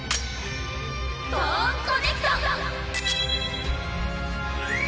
トーンコネクト！